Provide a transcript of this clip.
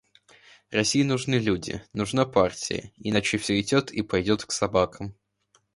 России нужны люди, нужна партия, иначе всё идет и пойдет к собакам.